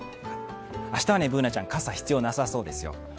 明日はＢｏｏｎａちゃん、傘は必要なさそうですよ。